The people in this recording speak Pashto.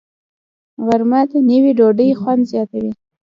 غرمه د نیوي ډوډۍ خوند زیاتوي